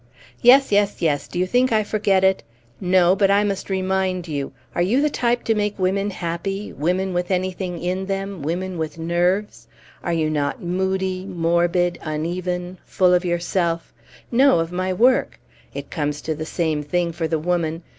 Yes, yes, yes; do you think I forget it? No, but I must remind you. Are you the type to make women happy, women with anything in them, women with nerves? Are you not moody, morbid, uneven, full of yourself? No, of my work. It comes to the same thing for the woman.